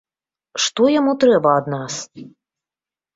Што яму трэба ад нас?